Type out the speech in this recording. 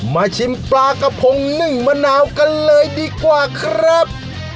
ชิมปลากระพงนึ่งมะนาวกันเลยดีกว่าครับ